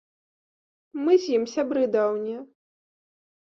Мы з ім сябры даўнія.